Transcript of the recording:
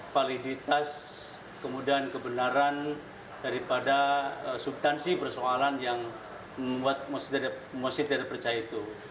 validitas kemudian kebenaran daripada subtansi persoalan yang membuat mosi tidak percaya itu